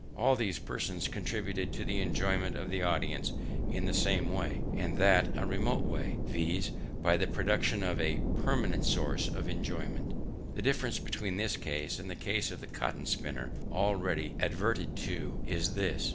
All these persons contributed to the enjoyment of the audience in the same way, and that a remote way, viz., by the production of a permanent source of enjoyment. The difference between this case, and the case of the cotton spinner already adverted to, is this.